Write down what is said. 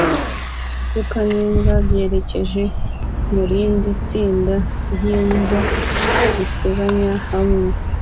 Isuka n'imbwa byerekeje mu rindi tsinda ry'imbwa zisebanya hamwe